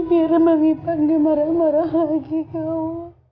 biar emang ipan kemarah marah lagi kau